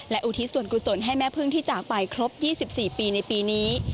อุทิศส่วนกุศลให้แม่พึ่งที่จากไปครบ๒๔ปีในปีนี้